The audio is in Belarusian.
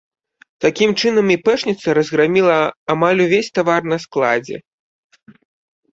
Такім чынам іпэшніца разграміла амаль увесь тавар на складзе.